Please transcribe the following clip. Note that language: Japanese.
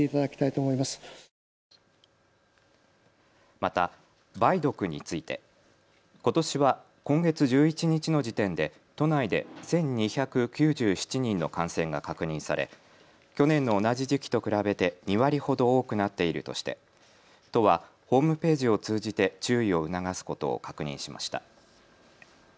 また梅毒についてことしは今月１１日の時点で都内で１２９７人の感染が確認され去年の同じ時期と比べて２割ほど多くなっているとして都はホームページを通じて注意を促すことを確認しました。